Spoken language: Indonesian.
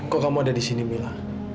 kok kamu ada disini mila